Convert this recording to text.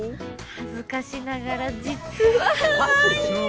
恥ずかしながら実はかわいい！